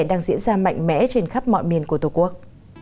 đang diễn ra mạnh mẽ trên khắp mọi miền của tổ quốc